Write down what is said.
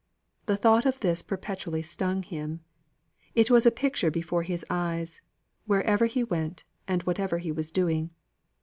The thought of this perpetually stung him; it was a picture before his eyes, wherever he went and whatever he was doing.